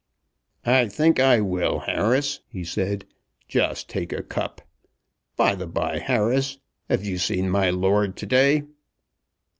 "I think I will, Harris," he said, "just take a cup. By the bye, Harris, have you seen my lord to day?"